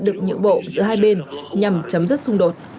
đạt được những bộ giữa hai bên nhằm chấm dứt xung đột